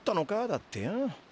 だってよ。